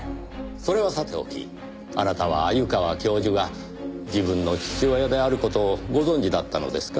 それはさておきあなたは鮎川教授が自分の父親である事をご存じだったのですか？